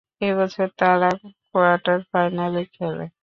এ বছর তারা কোয়ার্টার ফাইনালে খেলে।